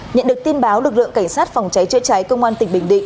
nhận được tin báo lực lượng cảnh sát phòng cháy chữa cháy công an tỉnh bình định